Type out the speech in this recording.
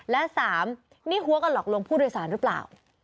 และ๓นี่หัวกันหลอกลวงผู้โดยสารหรือเปล่า